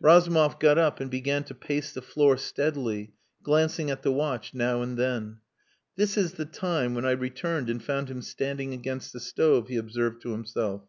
Razumov got up and began to pace the floor steadily, glancing at the watch now and then. "This is the time when I returned and found him standing against the stove," he observed to himself.